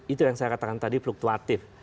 itu yang saya katakan tadi fluktuatif